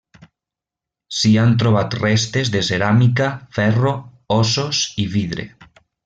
S'hi han trobat restes de ceràmica, ferro, ossos i vidre.